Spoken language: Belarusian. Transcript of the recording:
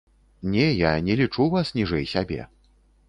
Не, я не лічу вас ніжэй сябе.